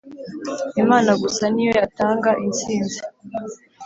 imana gusa niyo yatanga instinzi